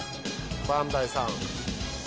バンダイさん。